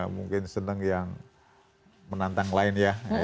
mungkin senang yang menantang lain ya